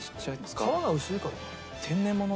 皮が薄いからか。